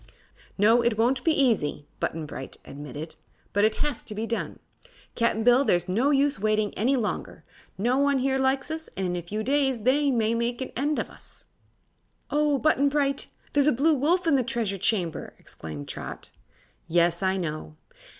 "No; it won't be easy," Button Bright admitted. "But it has to be done, Cap'n Bill, and there's no use waiting any longer. No one here likes us, and in a few days they may make an end of us." "Oh, Button Bright! There's a Blue Wolf in the Treasure Chamber!" exclaimed Trot. "Yes; I know."